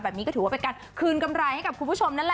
แบบนี้ก็ถือว่าเป็นการคืนกำไรให้กับคุณผู้ชมนั่นแหละ